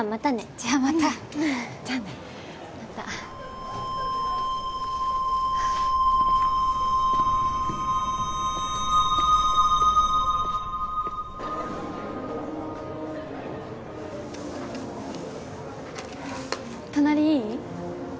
じゃあまたじゃあねまた隣いい？